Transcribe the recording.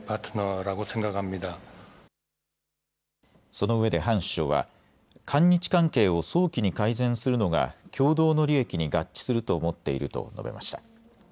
そのうえでハン首相は韓日関係を早期に改善するのが共同の利益に合致すると思っていると述べました。